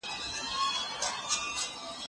دا قلمان له هغو پاک دي!.